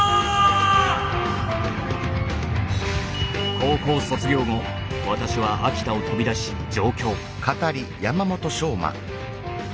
高校卒業後私は秋田を飛び出し上京。